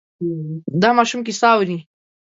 دا ماشوم کیسه اوري.